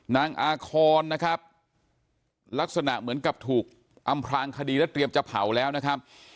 นางอาคอนนะครับลักษณะเหมือนกับถูกอำพลางคดีและเตรียมจะเผาแล้วนะครับ